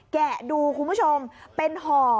แกะดูคุณผู้ชมเป็นห่อ